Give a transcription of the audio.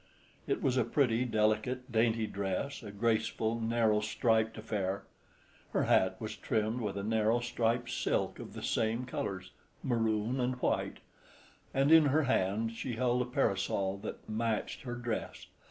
It was a pretty, delicate, dainty dress, a graceful, narrow striped affair. Her hat was trimmed with a narrow striped silk of the same colors—maroon and white—and in her hand she held a parasol that matched her dress.